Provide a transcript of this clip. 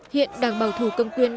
hiện đảng bảo thủ cầm quyền bảo thủ